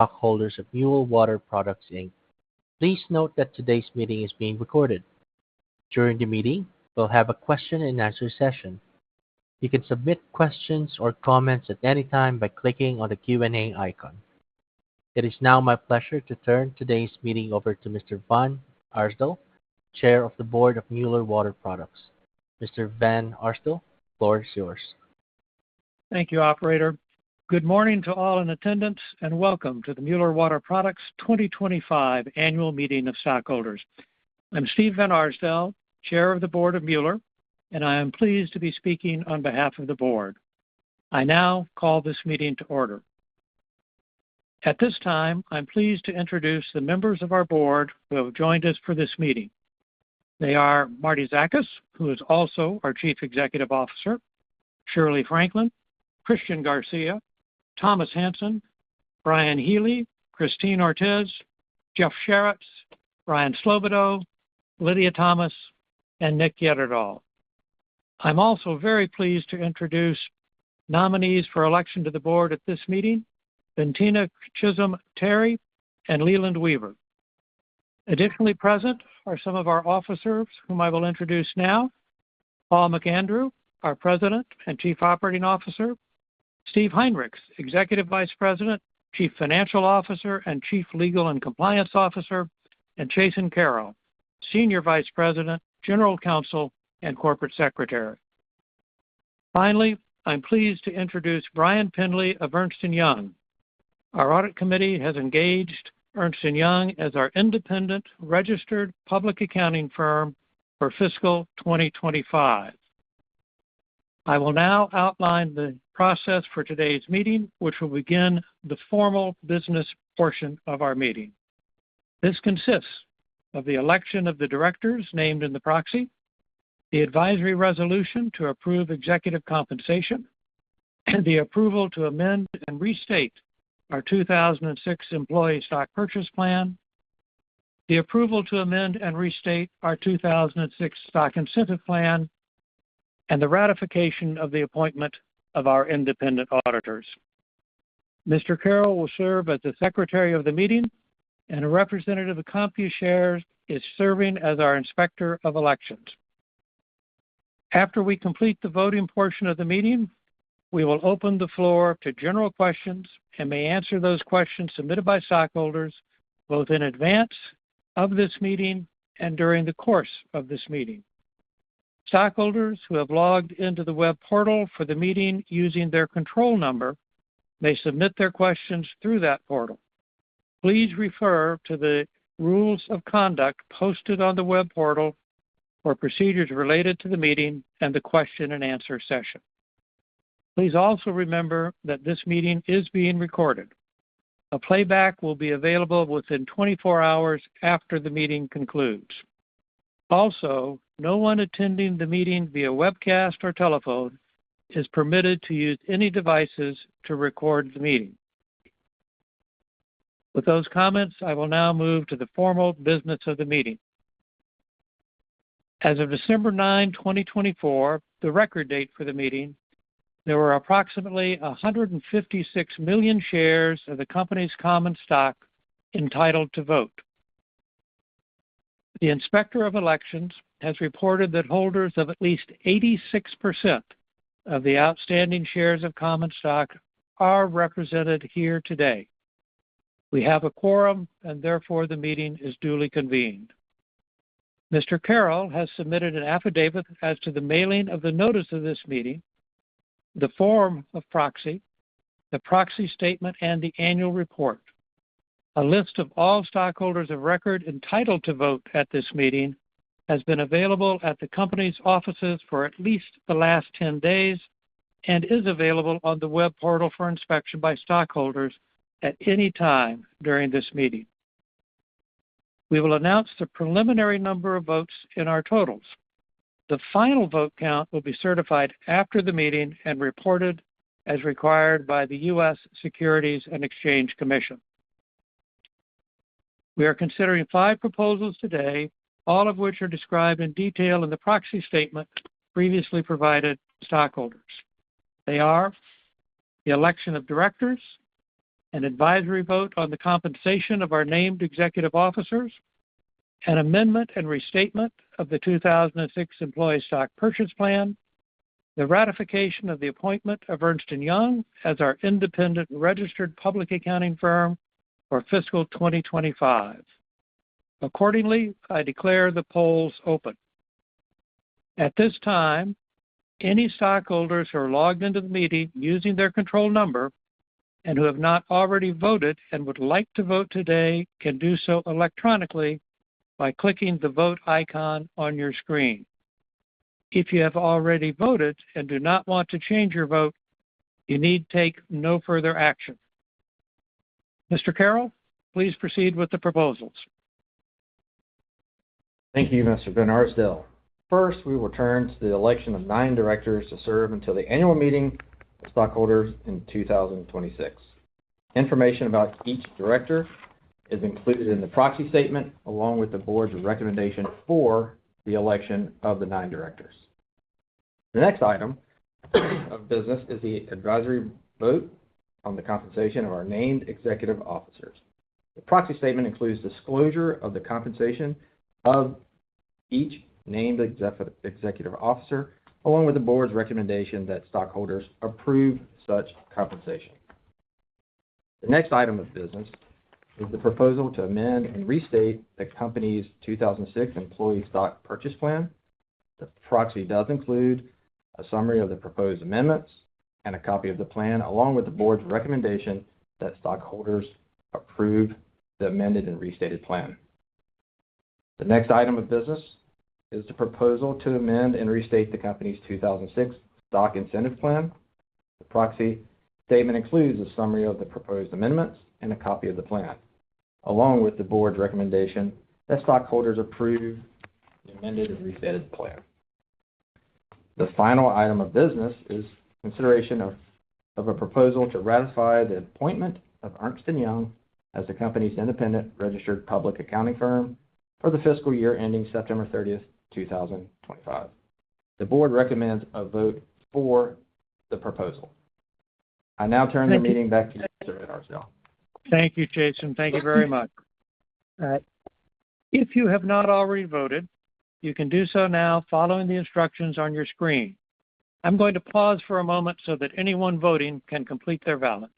Stockholders of Mueller Water Products, Inc.. Please note that today's meeting is being recorded. During the meeting, we'll have a question and answer session. You can submit questions or comments at any time by clicking on the Q&A icon. It is now my pleasure to turn today's meeting over to Mr. Van Arsdell, Chair of the Board of Mueller Water Products. Mr. Van Arsdell, the floor is yours. Thank you, operator. Good morning to all in attendance, welcome to the Mueller Water Products 2025 annual meeting of stockholders. I'm Steve Van Arsdell, Chair of the Board of Mueller, and I am pleased to be speaking on behalf of the board. I now call this meeting to order. At this time, I'm pleased to introduce the members of our board who have joined us for this meeting. They are Martie Zakas, who is also our Chief Executive Officer, Shirley Franklin, Christian Garcia, Thomas Hansen, Brian Healy, Christine Ortiz, Jeff Sharritts, Brian Slobodow, Lydia Thomas, and Nick Ytterdahl. I'm also very pleased to introduce nominees for election to the board at this meeting, Bentina Chisolm Terry and Leland Weaver. Additionally present are some of our officers, whom I will introduce now. Paul McAndrew, our President and Chief Operating Officer, Steve Heinrichs, Executive Vice President, Chief Financial Officer, and Chief Legal and Compliance Officer, and Chason Carroll, Senior Vice President, General Counsel and Corporate Secretary. Finally, I'm pleased to introduce Brian Pendley of Ernst & Young. Our audit committee has engaged Ernst & Young as our independent registered public accounting firm for fiscal 2025. I will now outline the process for today's meeting, which will begin the formal business portion of our meeting. This consists of the election of the directors named in the proxy, the advisory resolution to approve executive compensation, the approval to amend and restate our 2006 employee stock purchase plan, the approval to amend and restate our 2006 stock incentive plan, and the ratification of the appointment of our independent auditors. Mr. Carroll will serve as the secretary of the meeting, and a representative of Computershare is serving as our Inspector of Elections. After we complete the voting portion of the meeting, we will open the floor to general questions and may answer those questions submitted by stockholders both in advance of this meeting and during the course of this meeting. Stockholders who have logged into the web portal for the meeting using their control number may submit their questions through that portal. Please refer to the rules of conduct posted on the web portal for procedures related to the meeting and the question and answer session. Please also remember that this meeting is being recorded. A playback will be available within 24 hours after the meeting concludes. Also, no one attending the meeting via webcast or telephone is permitted to use any devices to record the meeting. With those comments, I will now move to the formal business of the meeting. As of December 9, 2024, the record date for the meeting, there were approximately 156 million shares of the company's common stock entitled to vote. The Inspector of Elections has reported that holders of at least 86% of the outstanding shares of common stock are represented here today. Therefore, the meeting is duly convened. Mr. Carroll has submitted an affidavit as to the mailing of the notice of this meeting, the form of proxy, the proxy statement, and the annual report. A list of all stockholders of record entitled to vote at this meeting has been available at the company's offices for at least the last 10 days and is available on the web portal for inspection by stockholders at any time during this meeting. We will announce the preliminary number of votes in our totals. The final vote count will be certified after the meeting and reported as required by the U.S. Securities and Exchange Commission. We are considering five proposals today, all of which are described in detail in the proxy statement previously provided to stockholders. They are the election of directors, an advisory vote on the compensation of our named executive officers, an amendment and restatement of the 2006 employee stock purchase plan, the ratification of the appointment of Ernst & Young as our independent registered public accounting firm for fiscal 2025. Accordingly, I declare the polls open. At this time, any stockholders who are logged into the meeting using their control number and who have not already voted and would like to vote today can do so electronically by clicking the vote icon on your screen. If you have already voted and do not want to change your vote, you need take no further action. Mr. Carroll, please proceed with the proposals. Thank you, Mr. Van Arsdell. First, we will turn to the election of nine directors to serve until the annual meeting of stockholders in 2026. Information about each director is included in the proxy statement, along with the board's recommendation for the election of the nine directors. The next item of business is the advisory vote on the compensation of our named executive officers. The proxy statement includes disclosure of the compensation of each named executive officer, along with the board's recommendation that stockholders approve such compensation. The next item of business is the proposal to amend and restate the company's 2006 employee stock purchase plan. The proxy does include a summary of the proposed amendments and a copy of the plan, along with the board's recommendation that stockholders approve the amended and restated plan. The next item of business is the proposal to amend and restate the company's 2006 stock incentive plan. The proxy statement includes a summary of the proposed amendments and a copy of the plan, along with the board's recommendation that stockholders approve the amended and restated plan. The final item of business is consideration of a proposal to ratify the appointment of Ernst & Young as the company's independent registered public accounting firm for the fiscal year ending September 30, 2025. The board recommends a vote for the proposal. I now turn the meeting back to you, Mr. Van Arsdell. Thank you, Chason. Thank you very much. If you have not already voted, you can do so now following the instructions on your screen. I'm going to pause for a moment so that anyone voting can complete their ballots.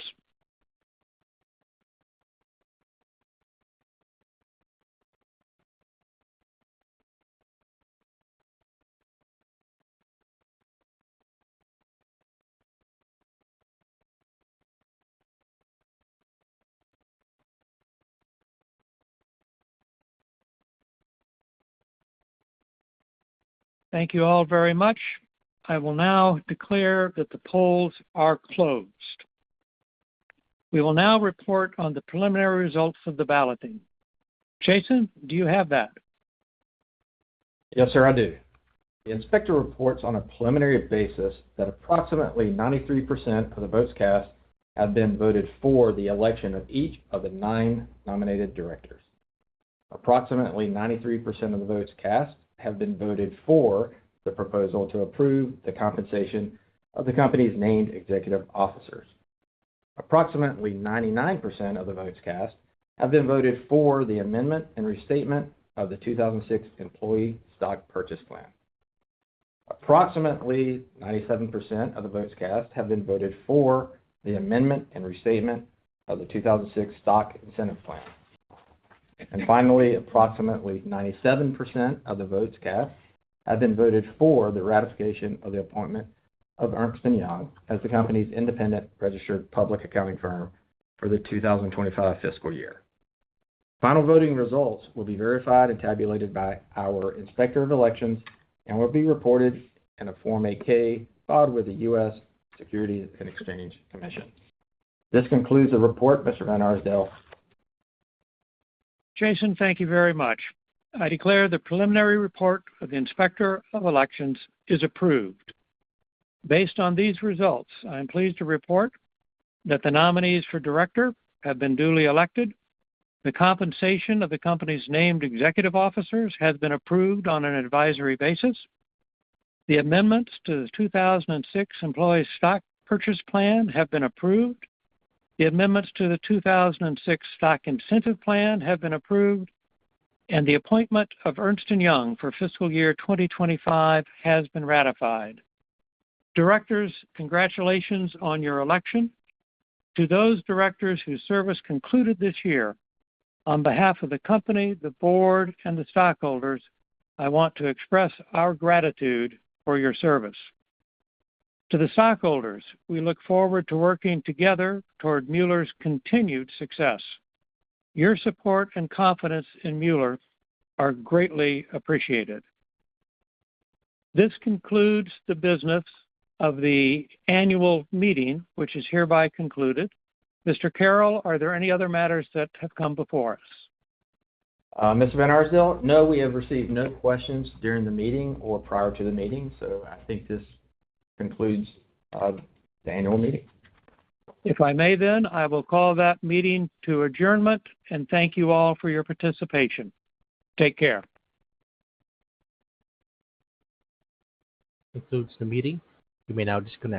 Thank you all very much. I will now declare that the polls are closed. We will now report on the preliminary results of the balloting. Chason, do you have that? Yes, sir. I do. The inspector reports on a preliminary basis that approximately 93% of the votes cast have been voted for the election of each of the nine nominated directors. Approximately 93% of the votes cast have been voted for the proposal to approve the compensation of the company's named executive officers. Approximately 99% of the votes cast have been voted for the amendment and restatement of the 2006 employee stock purchase plan. Approximately 97% of the votes cast have been voted for the amendment and restatement of the 2006 stock incentive plan. Finally, approximately 97% of the votes cast have been voted for the ratification of the appointment of Ernst & Young as the company's independent registered public accounting firm for the 2025 fiscal year. Final voting results will be verified and tabulated by our Inspector of Elections and will be reported in a Form 8-K filed with the U.S. Securities and Exchange Commission. This concludes the report, Mr. Van Arsdell. Chason, thank you very much. I declare the preliminary report of the Inspector of Elections is approved. Based on these results, I am pleased to report that the nominees for director have been duly elected, the compensation of the company's named executive officers has been approved on an advisory basis, the amendments to the 2006 employee stock purchase plan have been approved, the amendments to the 2006 stock incentive plan have been approved, and the appointment of Ernst & Young for fiscal year 2025 has been ratified. Directors, congratulations on your election. To those directors whose service concluded this year, on behalf of the company, the board, and the stockholders, I want to express our gratitude for your service. To the stockholders, we look forward to working together toward Mueller's continued success. Your support and confidence in Mueller are greatly appreciated. This concludes the business of the annual meeting, which is hereby concluded. Mr. Carroll, are there any other matters that have come before us? Mr. Van Arsdell, no, we have received no questions during the meeting or prior to the meeting, I think this concludes the annual meeting. If I may then, I will call that meeting to adjournment, and thank you all for your participation. Take care. This concludes the meeting. You may now disconnect.